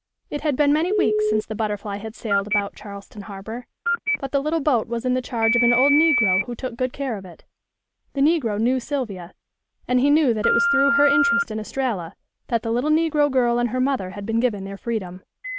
It had been many weeks since the Butterfly had sailed about Charleston harbor. But the little boat was in the charge of an old negro who took good care of it. The negro knew Sylvia, and he knew that it was through her interest in Estralla that the little negro girl and her mother had been given their freedom.